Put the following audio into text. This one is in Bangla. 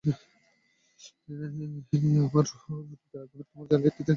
আমার রূপের আগুনে তোমাদের জ্বালিয়ে দিতে বাধ্য কোরো না লম্পটের দল!